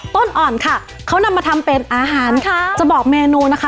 ต้นอ่อนค่ะเขานำมาทำเป็นอาหารค่ะจะบอกเมนูนะคะ